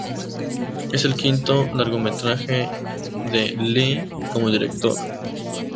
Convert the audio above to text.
Es el quinto largometraje de Lee como director.